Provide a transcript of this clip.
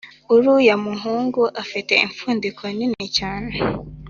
uruya muhungu afite imfundiko nini cyane